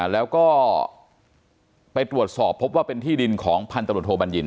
แล้วก็ไปตรวจสอบพบว่าเป็นที่ดินของพันตำรวจโทบัญญิน